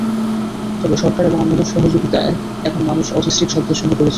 তবে সরকার এবং অন্যদের সহযোগিতায় এখন মানুষ অটিস্টিক শব্দের সঙ্গে পরিচিত।